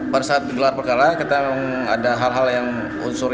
pada saat gelar perkara kita memang ada hal hal yang unsur